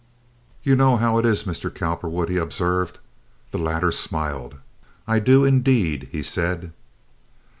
"You know how it is, Mr. Cowperwood," he observed. The latter smiled. "I do, indeed," he said.